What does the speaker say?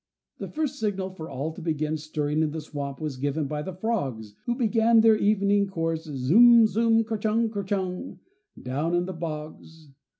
The first signal for all to begin stirring in the swamp was given by the frogs who began their evening chorus, "Zoom, zoom, kerchung, kerchung," down in the bogs.